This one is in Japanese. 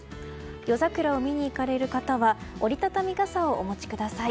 夜桜を見に行かれる方は折り畳み傘をお持ちください。